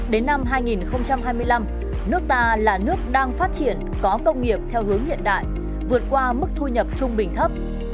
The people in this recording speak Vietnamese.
đến năm hai nghìn hai mươi năm nước ta là nước đang phát triển có công nghiệp theo hướng hiện đại vượt qua mức thu nhập trung bình thấp